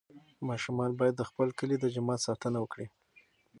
ماشومان باید د خپل کلي د جومات ساتنه وکړي.